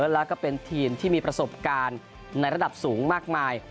แล้วก็เป็นทีมที่มีประสบการณ์ในระดับสูงมากมาย